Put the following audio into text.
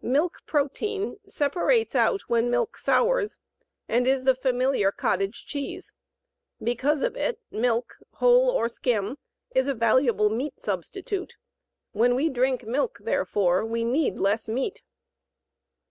Milk protein separates out when milk sours and is the familiar cottage cheese. Because of it, milk, whole or skim, is a valuable meat substitute. When we drink milk, therefore, we need less meat.